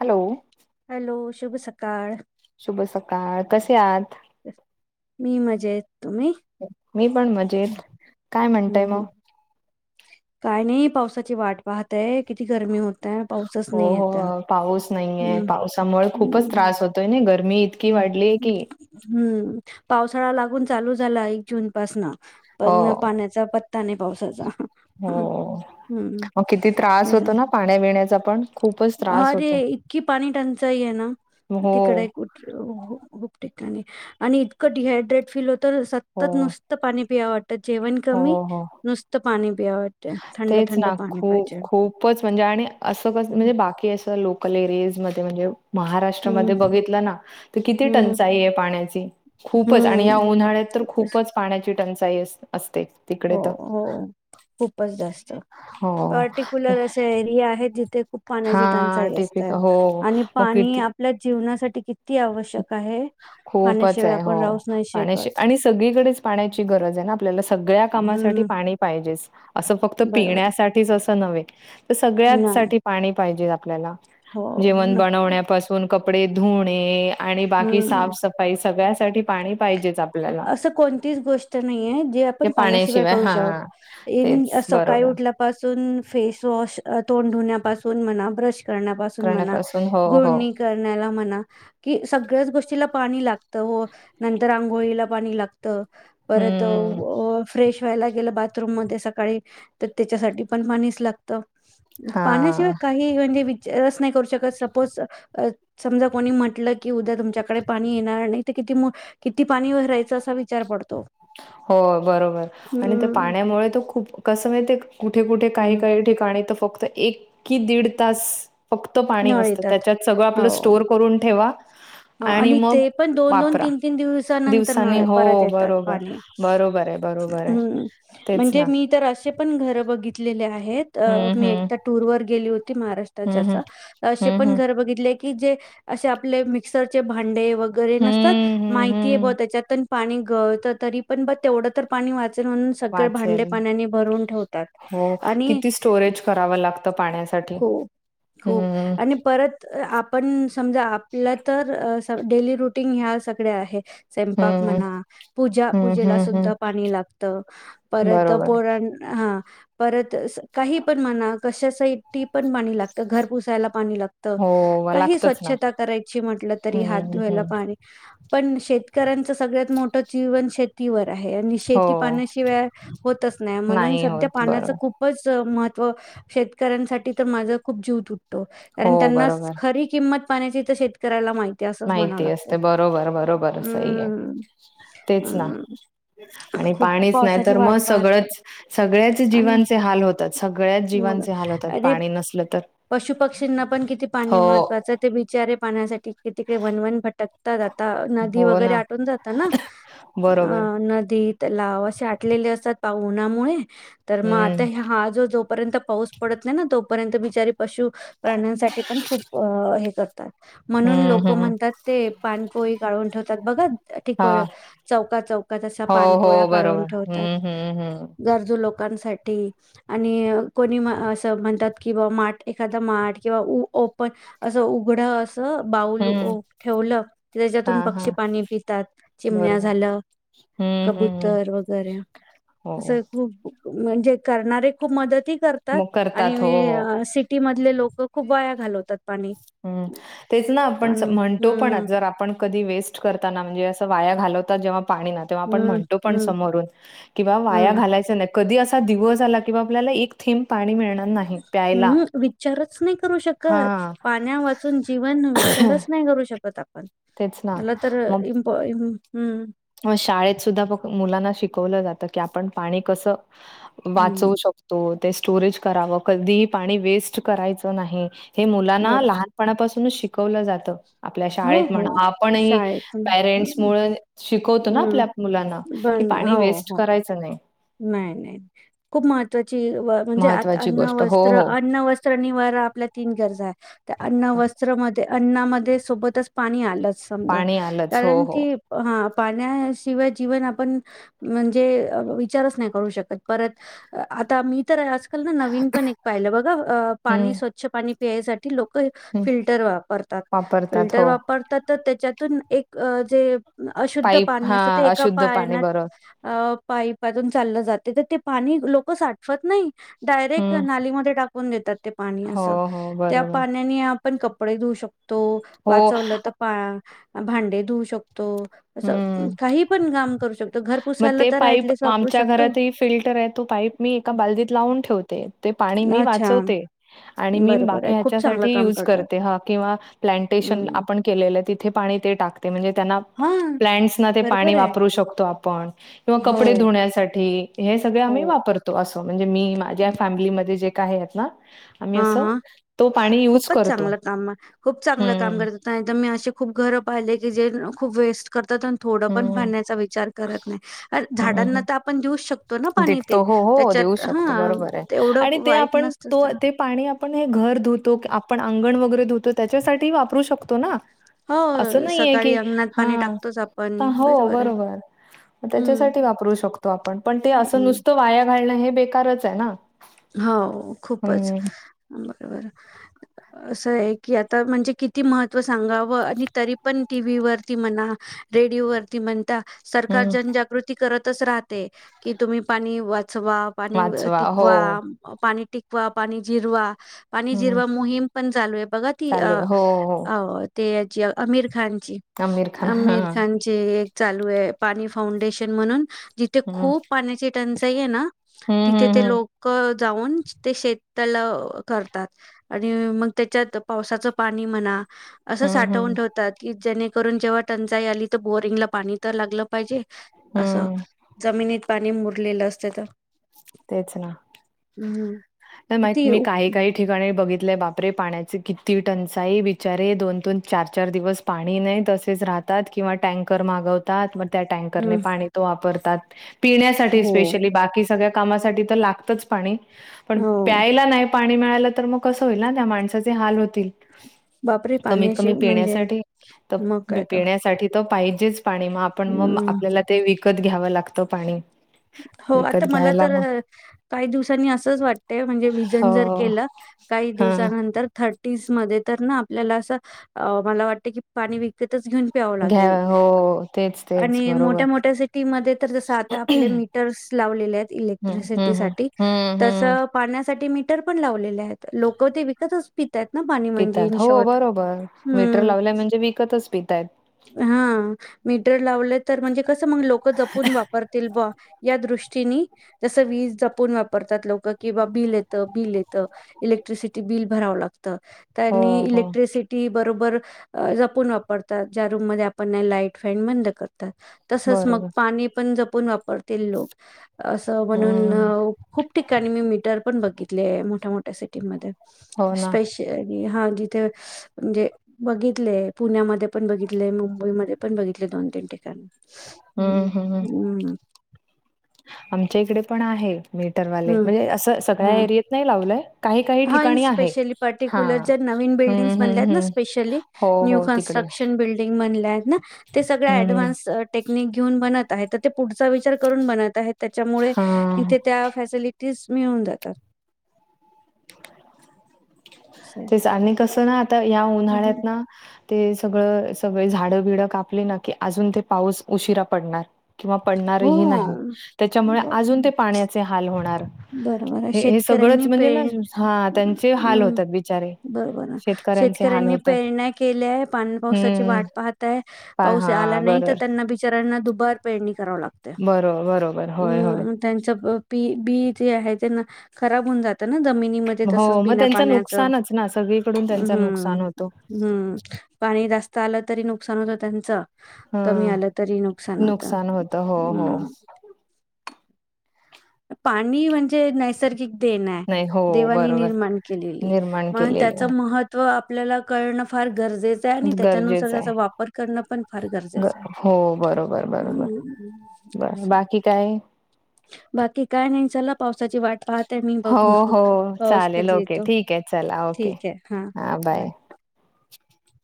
Hello. Hello शुभ सकाळ. शुभ सकाळ कसे आत. मी मजेतेत मी पण मजेत काय हम्म म्हणतय मग हम्म काय नाही पावसाची वाट पाहतय किती गरमी होत. त्या पाऊसच हो नाही येत हो पाऊस नाहीये हम्म पावसामुळे खूपच हम्. त्रास होतोय ना गरमी इतकी हम् वाढलीय ह् की हम्म. पावसाळा लागून चालू झाला एक जून पाासन पण पाण्याचा पत्ता नाही पावसाचा हम्म हो. हो किती त्रास हम्म. होतो ना, पाण्या बीण्याचा पण खूपच त्रास होतो. हे ना, इ हो तीकड एक बुट्टी ठेव. हो हो खूप ठिकाणी आणि इतकं डिहायड्रेट फील होतं, हो सतत नुसत पाणी पियावं वाटतं. जेवण कमी हो हो नुसतं पाणी पि वाटते, थंड तेच थंड ना, पाणी खूप पाहिजे. खूपच म्हणजे आणि असं कस म्हणजे बाकी असं, लोकल एरियाज मध्ये म्हणजे महाराष्ट्रामध्ये हम्म बघितलं ना तर, किती हम्म टंचाई आहे पाण्याची खूपच आणि या हम्म उन्हाळ्यात तर खूपच पाण्याची टंचाई असते. तिकडे हो तर. हो खूपच जास्त हो. पर्टिक्युलर असे एरिया आहेत जिथे खूप पाण्याची हां, टंचाई टिपिक असते हो. आणि मग पाणी किती आपल्या जीवनासाठी किती आवश्यक आहे? खूपच पाण्याशिवाय आहे आपण हो, राहूच नाही पाण्याची शकत आणि सगळीकडेच पाण्याची गरज आहे ना, आपल्याला सगळ्या त्या कामासाठी हम्म पाणी पाहिजेच, असं फक्त बरोबर पिण्यासाठी असंच नव्हे. नाही सगळ्यासाटी पाणी पाहिजे. आपल्याला हो जेवण नक्की. बनवण्यापासून कपडे धुणे आणि बाकी हम्म. साफसफाई सगळ्यासाठी पाणी पाहिजेच आप असं कोणतीच गोष्ट नाहीये, जे म्हणजे आपण पाण्याशिवाय करू शकत. हां, इ तेच सकाळी बरोबर. उठल्यापासून फेसवॉश तोंड धुण्यापासून म्हणा ब्रश करण्यापासून म्हणा, करण्यापासून हो, हो. गुळणी करण्याला म्हणा पानी लागत, हो नंतर आंघोळीला पाणी लागत, परत् हं, अ फ्रेश ठेवायला गेलं. बाथरूम मध्ये सकाळी तर त्याच्यासाठी पण पाणीच लागत. हां. पाण्याशिवाय काही ही म्हणजे ते रस नाही करू शकत, सपोज समजा कोणी म्हटलं की, उद्या तुमच्याकडे पाणी येणार नाही, तर किती ती, किती पाणी भरायच, असा विचार पडतो. हो बरोबर आणि त्या हम्म पाण्यामुळे त खूप कस माहिती आहे का? कू कुठे, कुठे काही हम्म. काही ठिकाणी तर, फक्त एक कि दीड तास फक्त पाणी नळ असतं. येतात त्याच्यात सगळं हो आपलं स्टोअर करून ठेवा आणि मग ते पण दोन दोन, वापरा. तीन तीन दिवसानंतर दिवसांनी नळ हो, परत येतात बरोबर. पाणी बरोबर आहे, बरोबर आहे. हम्म तेच म्हणजे ना. मी तर, असे पण घर बघितले ले आहेत. अ हं, मी हं. एकदा टूरवर गेली होती, महाराष्ट्र हं, हं. च्यात, अस हं, पण हं. घर बघितले की, जे असे आपले मिक्सरचे भांडे वगैरे नसतात, हं, हं, माहिती आहे ब हं. त्याच्यात पाणी गळत तरी पण बघ तेवढं तर पाणी वाचत म्हणून सगळे भांडे वाचेल. पाण्याने भरून ठेवतात हो, आणि साठी हो खूप आणि परत पण समजा आपल्या तर डेली रुटीन ह्या सगळ्या आहेत. स्वयंपाक हं, म्हणा, पूजा हं, पूजेला हं, हं. सुद्धा पाणी लागत, परत बरोबर. पोरांना हा परत काही पण म्हणा कशासाठीही पाणी लागतं घर पुसायला पाणी लागत, हो, काही लागतंच ना. स्वच्छता करायची म्हटलं तरी हात हं, धुवायला हं. पाणी पण शेतकऱ्यांचं सगळ्यात मोठं जीवन शेतीवर आहे. आणि हो, शेती पाण्याशिवाय होतच नाही, म्हणून सध्या होत. पाण्याच बरोबर. खूपचं महत्त्व शेतकऱ्यांसाठी तर माझं खूप जीव तु टतो. कारण हो, त्यांना बरोबर. खरी किंमत पाण्याची तर शेतकऱ्याला माहित माहिती असते बरोबर बरोबर सही आहे, हम्म. तेच ना. अम आणि खूप पाणीच नाही पावसाची तर वाट मग पाहतात सगळंच सगळ्याच आणि जीवांचे हाल होतात सगळ्याच जी वांचे हाल होतात पाणी नसलं तर पशु-पक्षींना पण किती हो. पाणी महत्त्वाचं आहे ते बिचारे पाण्यासाठी किती कडे वनवन भटकतात. नदी हो वगैरे ना. आटून जात ना बरोबर. आ नदी तलाव आटलेले असतात पा ऊनामुळे तर मग हं, आता हा जो जोपर्यंत पाऊस पडत नाही ना तोपर्यंत बिचारी पशु प्राण्यांसाठी पण खूप हे कर म्हणून हं, लोक हं. म्हणतात. ते पाणपोई काढून ठेवतात बघा ठि हां. चौका चौ... काय अशा हो पाणपोई हो बरोबर काढून ठेवतात, हम्म हम्म हम्म गरजू लोक... लोकांसाठी आणि कोणी असं म्हणतात कि बा माठ एखादा माठ किंवा.. ओपन असं उघडं अस... त बाऊल हम्म ठेवलं हा त्याच्यातून हा पक्षी पाणी पितात, चिमण्या बरोबर झालं.... हम्म हम्म कबुतर वगैरे हो असं खूप... म्हणजे करणारे खूप मदतही करतात मग आणि करतात हो हो सिटीमधले लोक... कं खूप वाया घालवतात पाणी... हम्म तेच ना आपण पाणी म्हणतो पण हम्म जर आपण... कधी वेस्ट करताना म्हणजे अस वाया घालवतात जेव्हा... पाणी ना आपण हम्म म्हणतो पण हम्म समोरुन की वाया हम्म घालायच नाही... कधी असा दिवस आला किंवा आपल्याला एक थेंब पाणी मिळणार नाही प्यायला हम्म विचारचं नाही करू शकत. हा पाण्या वाचून जीवन विचारचं नाही करू शकत आप.... तेच ना मला तर मग इमप इम.... शाळेत सुद्धा बघ मुलांना शिकवलं जातं की आपण पाणी कसं.... वाचवू हम्म शकतो, ते स्टोरेज करावं, कधीही पाणी वेस्ट करायच नाही हे मुलांना बरोबर लहानपणापासून.... शिकवलं जात आपल्या हो शाळेत हो म्हणा आपणही शाळेतून पेरेंट्स मुळे... शिकवतो ना हम्म आपल्या मुलांना कि पण पाणी हो हो वेस्ट करायचं नाही. नाही नाही खूप महत्त्वाची... ची म्हणजे महत्वाची अन्न, गोष्ट. हो, वस्त्र, हो. अन्न वस्त्र, निवारा आपल्या तीन गरजा आहे. त्या अन्न वस्त्रमध्ये अन्नामध्ये सोबतच पाणी आलंच... समजा पाणी आलंच. हो, कारण हो. की हा... पाण्याशिवाय जीवन आपण म्हणजे अ... विचारच नाही करू शकत परत आता मी... तर आजकाल ना नवीन पण एक पाहिलं बघं ह हं, पाणी स्वच्छ पाणी प्यायसाठी लोक... हं. फिल्टर वापरतात. वापरतात. फिल्टर हो. वापरतात तर त्याच्यातून एक जे.... अशुद्ध पाईप पाणी असते हां, ते एका अशुद्ध पाणी पान्यात बरं. अ... पाईपातून चाललं जाते तर ते पाणी लोक साठवत नाही डायरेक्ट हं. नालीमध्ये टाक... करुन देतात ते पाणी हो, असं हो. त्या बरोबर. पाण्याने आपण कपडे धुऊ शकतो... तो हो. वाचवलं तर पा भांडे धुवु शकतो... तो असं हं. काही पण काम करू शकतो घर पुसायला तर ॲटलिस्ट... च्या घरातही फिल्टर आहे तो पाईप मी एका बालदीत लावून ठेवते. ते पाणी मी अच्छा, वाचवते आणि मी बरोबर बाकी आहे. खूप चांगलं ह्याचासाठी काम युज करतात. करते ह किंवा प्लॅन्टि क्शन हं, आपण केलेलं आहे तिथे पाणी ते टाकते म्हणजे त्यांना... हां, कपडे धुण्यासाठी किंवा प्लांट्स बरोबर ला वापर आहे. करू शकतो.. हो, माझ्या फॅमिली मध्ये हो. वापरू शकतो किंवा माझी फॅमिली हे पूर्णपणे वापरतात... आम्ही अस हां, हां. तो... करतो. हम्म मी अशी खूप घर पाहिलेली आहे की त्या घरांमध्ये खूपच चांगले काम करत असतात. खूप वेस्ट कर... थोडी हम्म पाण्याची काळजी घ्यायला पाहिजे कारण हे पाणी आपण हम्म. झाडांना सुद्धा देऊ शकतो. दिखतो हो, हो देऊ त्याच्यात शकतो हा बरोबर आहे तेवढं आणि ते वाईट आपण नसतच तो ते हो बरोबर आहे ते आपण ते करू शकतो.. पाणी आपण हे घर धुण्यासाठी किंवा अंगणात सडा शिंपण्यासाठी वापरू शकतो. हो हो सकाळी अंगणात पाणी टाकतोच आपण ते बरोबर आहे. हम्म पाण्याचा वापर आपण व्यवस्थित केला पाहिजे नाहीतर पाणी वाया जान हे चुकीच आहे. हो मी बरोबर आहे. ह... ते किती महत्वाचं आहे हे आपण जाऊ शकतो किंवा टीव्ही वरती सुद्धा बघू शकतो. रेडिओवरती म्हणता सरकार हं. जनजागृती करतच राहते त्याच्यामुळे पाण्याचा वापर वाचवा. व्यवस्थित हो. करा. पाणी आडवा पाणी जिरवा पाणी आडवा पाणी हं. जिरवा ही मोहीम चालू आहे. हो, हो. आमिर खान. अमीर हां. खानने चालू केलेली आहे पाणी फाउंडेशन ही मोहीम आमिर खानने चालू केली आहे जिथे हं. खूप पाण्याची टंचाई आहे हं, तिथे हं, ही मोहीम लागू करण्यात आली हं. आहे पाणी फाउंडेशन मुळे लोक पाण्याने वाचून ते शेताला हं, हं. देतात जेणेकरून पाण्याची जर टंचाई आली तर आपल्या बोरला पाणी आले पाहिजे पाणी वाचून हे जर हं. जमिनीत गेलं तर ते आपल्या बोरला लागू शकते किती मी तर येऊ काय काय ठिकाणी बघितलेला आहे काही ठिकाणी किती पाण्याची टंचाई आहे दोन दोन तीन चार दिवस पाणी राहत नाही मग काही टँकर मागवतात पिण्यासाठी हम्म पेशली दुसरं पाणी वापरतात आणि टँकरचे हो पाणी हे बाकी कामासाठी वापर करतात घरातल्या कामासाठी लागतच पण पाणी हो प्यायला आहे दुसरा पाण्याचा वापर करतात पाणी नाही मिळाले तर कसं होईल त्या माणसाचे खूपच हाल होईल बापरे पाण्याशी म्हणजे पिण्यासाठी कमीत मग कमी काय तर पिण्यासाठी पाहिजेच पाणी पण ते हम्म आपल्याला विकत घ्यावं लागतं हो आता विकत घ्यायला मग काही दिवसांसाठी जर आपण विजन जर हो. केले तर खूप हां. चांगलं होईल आपल्याला असं वाटतं एखाद्या वेळेस की पाणी आपल्याला विकत घ्यावं घ्या लागेल हो तेच तेच बरोबर मोठ्या मोठ्या ठिकाणी जर पाणी आपल्याला विकत घेऊन प्यायला लागेल जसे इलेक्ट्रिक हम्म मीटर्स लावलेले हम्म हम्म आहेत हम्म तसे हम्म पाण्यासाठी सुद्धा मीटर्स लावले जातील फिल्टर लावलेले आहे तरी लोक हे विकतच पिल्यासारखे होते त्यातलं पाणी पितात म्हणजेच हो बरोबर फिल्टर मीटर होणे लावलंय म्हणजे विकतच पितायत पाण्याला जर मीटर लावलं तर म्हणजे लोक जपून वापर करतील विजयला बिल् येते म्हणून वीज कशी लोक जपून वापरतात विजेचा बिल भरावा लागतो हो म्हणून हो लोक विजेचा वापर योग्य पद्धतीने करतात किंवा जपून वापरतात बरोबर जपून वापरतात ज्या रूम म आपण लाईट फन बंद करत आपण बिल येते तेव्हा फॅन किंवा लाईट किंवा एका मला एक बंद करतो पाणीसुद्धा बरोबर लोक असेच जपून हम्म वापरतील मोठ्या मोठ्या सिटी मध्ये हो ना तर त्यासाठी मीटर पण लावलेले असतात स्पेशल मोठ्या मोठ्या शहरांमध्ये बऱ्याच ठिकाणी असतात हम्म हम् हम् हम्म आमच्या इकडे पण आहे हं. हां. सगळ्या ठिकाणी नाही लावलेल्या पण एक दोन हां, ठिकाणी लावलेले स्पेशली पर्टिक्युलर ज्या असते नवीन बिल्डिंग मध्ये हो तिकडे ते सग हम्म डव् टेक्निक घेऊन बत पुढ विचार करून बत त्याच्यामुळे हा तिथे त्या तीच मिळन जातात असं आहे. तेच आणि कसं ना आता या हं. हं. उन्हाळ्यात ना ते सगळं सगळे झाडं बिड कापली ना की अजून ते पाऊस उशिरा पडणार किंवा पडणारही नाही हो. त्याच्यामुळे बाप अजून ते पाण्याचे हाल होणार बरोबर आहे हे हे सगळंच शेतकऱ्यांनी म्हणजे ना पेर हा त्यांचे हाल हं. होतात बिचारे बरोबर शेतकऱ्यांचे हाल शेतकऱ्यांनी होतात प्रेरणा केल्या आहे पाण पावसाची वाट हम्म पाहतय पाऊस आ हा नाही बरोबर. त्यांना बिचारांनाु भर पेरणी कराव लागते बरो बरोबर होय होय त्यांची बी ख जात म तसच हो मग बिना त्यांचं पाण्याच नुकसानच ना सगळीकडून त्यांच हम्म नुकसान होतो. हम्म पाणी जास्त आलं तरी नुकसान होतं त्यांचं हा कमी आलं तरी नुकसान होत होतं हो हो हम् पाणी म्हणजे नैसर्गिक. देण नाही हो देवानी बरोबर निर्माण केलेली निर्माण म्हण त्याच केलेली महत्व आप आपल्याला कळणं फार. गरजेच आहे, आणि त्याच्यानुसार गरजेचं आहे. त्याचा वापर करणं पण फार ब गरजेचं आहे. हो बरोबर बरोबर बर असं बाकी काय. बाकी काय नाही चला पावस ची वाट पाहतय मी हो बघ हो पाऊस चालेल कधी ओके येतो ठीक आहे चला ओके ठीक आहे हा हा. बय. [inaudible]